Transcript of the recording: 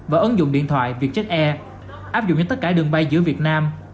và ứng dụng điện thoại vietjet air áp dụng cho tất cả đường bay giữa việt nam